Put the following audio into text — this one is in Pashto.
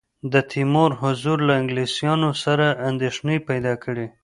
د تیمور حضور له انګلیسیانو سره اندېښنې پیدا کړې.